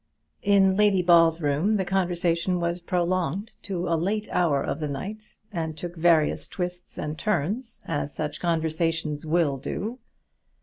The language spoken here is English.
In Lady Ball's room the conversation was prolonged to a late hour of the night, and took various twists and turns, as such conversations will do.